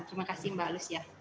terima kasih mbak lucia